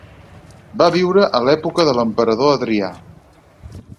Va viure a l'època de l'emperador Adrià.